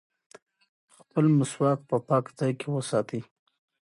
خپل مسواک په پاک ځای کې وساتئ.